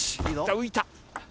浮いた。